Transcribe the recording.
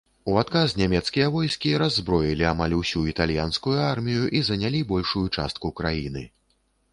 У адказ нямецкія войскі раззброілі амаль усю італьянскую армію і занялі большую частку краіны.